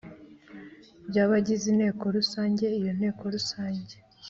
by abagize Inteko Rusange Iyo Nteko Rusange